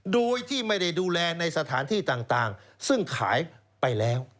โดยที่ไม่ได้ดูแลในสถานที่ต่างซึ่งขายไปแล้ว